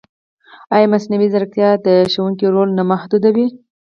ایا مصنوعي ځیرکتیا د ښوونکي رول نه محدودوي؟